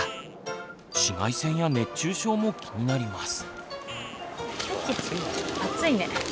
紫外線や熱中症も気になります。